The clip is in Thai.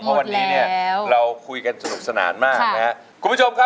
เพราะวันนี้เนี่ยเราคุยกันสนุกสนานมากนะฮะ